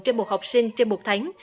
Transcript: trên một học sinh trên một tháng